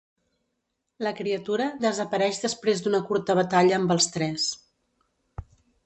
La criatura desapareix després d'una curta batalla amb els tres.